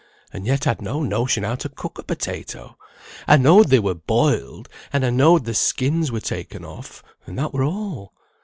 And yet I'd no notion how to cook a potato. I know'd they were boiled, and I know'd their skins were taken off, and that were all.